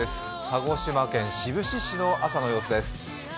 鹿児島県志布志市の朝の様子です。